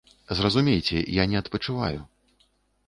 Зразумейце, я не адпачываю.